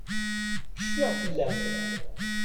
Cfiɣ fell-am.